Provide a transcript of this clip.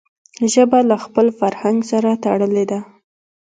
ژبه له خپل فرهنګ سره تړلي ده.